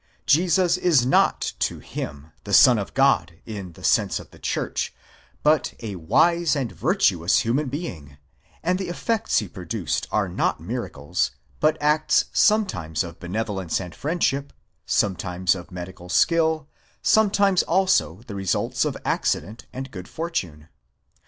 Jesus is not to him the Sox of God in the sense of the Church, but a wise and virtuous human being; and the effects he produced are not miracles, but acts some times of benevolence and friendship, sometimes of medical skill, sometimes also the results of accident and good fortune.